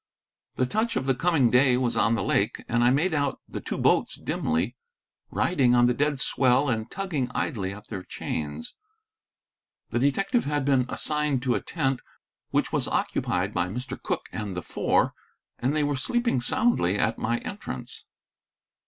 The touch of the coming day was on the lake, and I made out the two boats dimly, riding on the dead swell and tugging idly at their chains. The detective had been assigned to a tent which was occupied by Mr. Cooke and the Four, and they were sleeping soundly at my entrance.